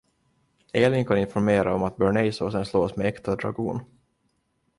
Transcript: Elin kan informera om att bearnaisesåsen slås med äkta dragon.